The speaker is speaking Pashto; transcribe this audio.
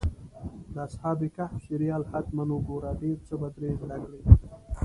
د اصحاب کهف سریال حتماً وګوره، ډېر څه به ترې زده کړې.